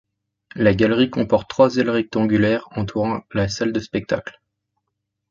La galerie comporte trois ailes rectangulaires entourant la salle de spectacle.